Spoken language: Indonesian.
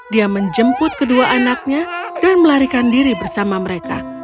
dia menjemput kedua anaknya dan melarikan diri bersama mereka